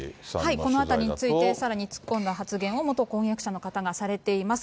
このあたりについて、さらに突っ込んだ発言を、元婚約者の方がされています。